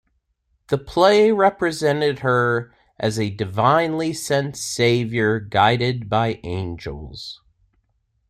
The play represented her as a divinely-sent savior guided by angels.